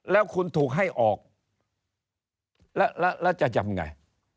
แล้วคุณถูกให้ออกแล้วแล้วจะจำไง